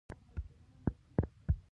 ګورګورې به ورته راوړو وبه يې خوري.